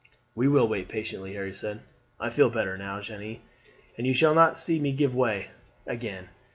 "We will wait patiently," Harry said. "I feel better now, Jeanne, and you shall not see me give way again.